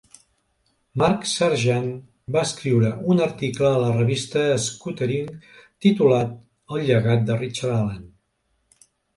Mark Sargeant va escriure un article a la revista Scootering titulat "El llegat de Richard Allen".